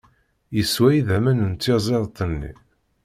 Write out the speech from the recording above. Yeswa idammen n tyaẓiḍt-nni.